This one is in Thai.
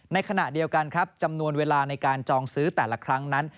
ในขณะเดียวกันครับจำนวนเวลาในการจองซื้อแต่ละครั้งนั้น